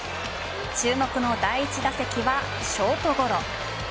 注目の第１打席はショートゴロ。